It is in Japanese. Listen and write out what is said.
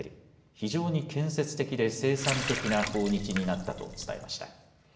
非常に建設的で生産的な訪日になったと伝えました。